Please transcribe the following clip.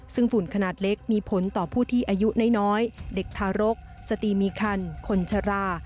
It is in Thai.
ซึ่งฝุ่นขนาดเล็กมีผลต่อผู้ที่อายุน้อยเด็กทารกสตีมีคันคนชรา